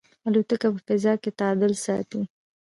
الوتکه په فضا کې تعادل ساتي.